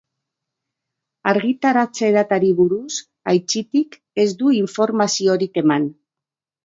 Argitaratze-datari buruz, aitzitik, ez du informaziorik eman.